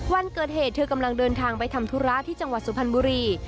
วันเกิดเหตุเธอกำลังเดินทางไปทำธุระที่จังหวัดสุพรรณบุรี